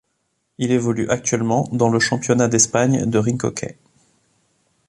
Il évolue actuellement dans le championnat d'Espagne de rink hockey.